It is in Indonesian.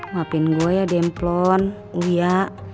maafin gue ya demplon uya